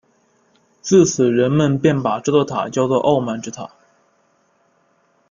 自此人们便把这座塔叫作傲慢之塔。